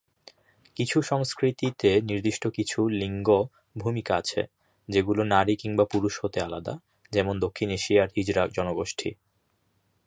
কিছু সংস্কৃতিতে নির্দিষ্ট কিছু লিঙ্গ ভূমিকা আছে, যেগুলো নারী কিংবা পুরুষ হতে আলাদা, যেমন দক্ষিণ এশিয়ার হিজড়া জনগোষ্ঠী।